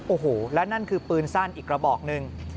โอ้โหและนั่นคือปืนสั้นอีกกระบอกหนึ่ง